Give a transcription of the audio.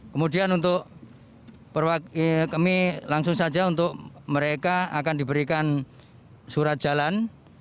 kemudian untuk perwakilan kami langsung saja untuk mereka akan diberikan surat jalan